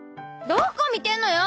どこ見てんのよ！